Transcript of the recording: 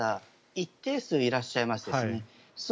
一定数いらっしゃいますね。